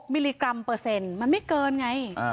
มิลลิกรัมเปอร์เซ็นต์มันไม่เกินไง